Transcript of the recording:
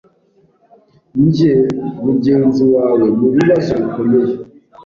Njye mugenzi wawe mubibazo bikomeye